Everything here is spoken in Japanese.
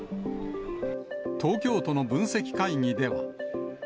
東京都の分析会議では。